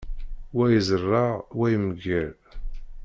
Wa izerreε, wa imegger.